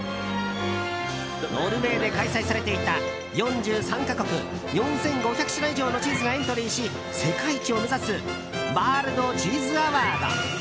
ノルウェーで開催されていた４３か国４５００品以上のチーズがエントリーし、世界一を目指す「ＷｏｒｌｄＣｈｅｅｓｅＡｗａｒｄｓ」。